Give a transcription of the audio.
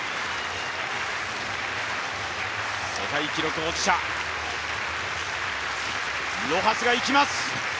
世界記録保持者、ロハスがいきます